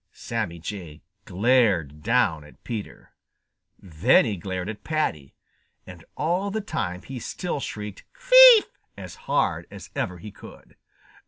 Sammy Jay glared down at Peter. Then he glared at Paddy. And all the time he still shrieked "Thief!" as hard as ever he could.